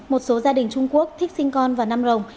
một số gia đình trung quốc thích sinh con vào năm rồng